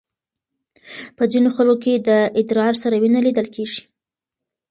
په ځینو خلکو کې د ادرار سره وینه لیدل کېږي.